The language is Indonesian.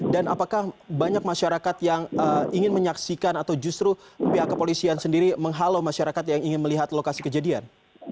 dan apakah banyak masyarakat yang ingin menyaksikan atau justru pihak kepolisian sendiri menghalau masyarakat yang ingin melihat lokasi kejadian